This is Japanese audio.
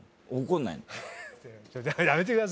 怒んないの？